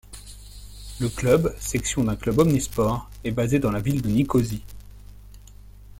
Le club, section d'un club omnisports, est basé dans la ville de Nicosie.